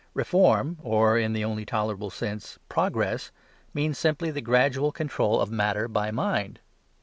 Reform or (in the only tolerable sense) progress means simply the gradual control of matter by mind.